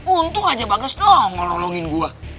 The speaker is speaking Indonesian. untung aja bagas dong